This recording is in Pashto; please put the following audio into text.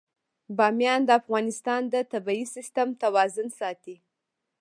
بامیان د افغانستان د طبعي سیسټم توازن ساتي.